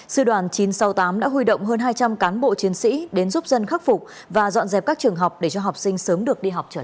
sư đoàn chín trăm sáu mươi tám đã huy động hơn hai trăm linh cán bộ chiến sĩ đến giúp dân khắc phục và dọn dẹp các trường học để cho học sinh sớm được đi học trở lại